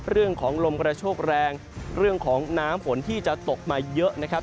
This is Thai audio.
เรื่องของลมกระโชกแรงเรื่องของน้ำฝนที่จะตกมาเยอะนะครับ